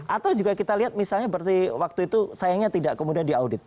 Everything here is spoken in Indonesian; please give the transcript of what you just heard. atau juga kita lihat misalnya berarti waktu itu sayangnya tidak kemudian diaudit